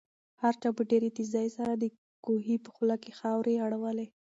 هر چا په ډېرې تېزۍ سره د کوهي په خوله کې خاورې اړولې.